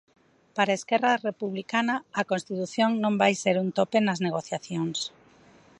Para Esquerra Republicana, a Constitución non vai ser un tope nas negociacións.